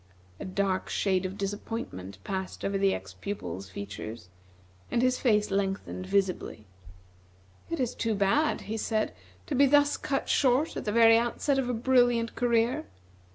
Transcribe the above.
A dark shade of disappointment passed over the ex pupil's features, and his face lengthened visibly. "It is too bad," he said, "to be thus cut short at the very outset of a brilliant career.